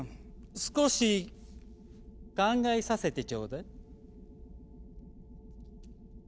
少し考えさせてちょうだい。